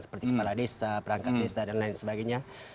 seperti kepala desa perangkat desa dan lain sebagainya